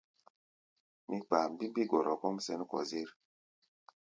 Mí kpaá mbimbí gɔrɔ kɔ́ʼm sɛ̌n kɔ-zér.